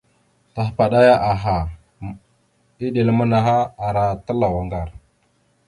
Tahəpaɗaya aha, eɗel manaha ara talaw aŋgar.